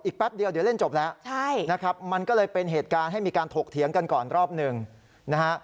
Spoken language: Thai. แป๊บเดียวเดี๋ยวเล่นจบแล้วใช่นะครับมันก็เลยเป็นเหตุการณ์ให้มีการถกเถียงกันก่อนรอบหนึ่งนะฮะ